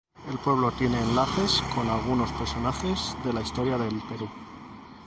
El pueblo tiene enlaces con algunos personajes de la historia del Perú.